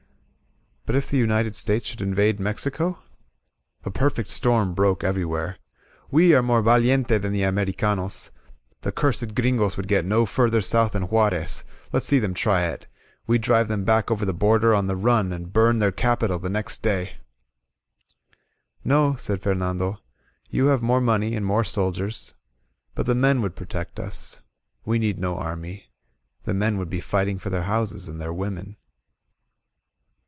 "But if the United States should invade Mexico?" A perfect storm broke everywhere. We are more vaUente than the Americanos — ^The cursed Gringos S6 LA TROPA ON THE MARCH would get no further south than Juarez — ^Let's see them try it — ^We'd drive them back over the Border on the run, and burn their capital the next day •••!" "No," said Fernando, you have more money and more soldiers. But the men would protect us. We need no army. The men would be fighting for their houses and their women."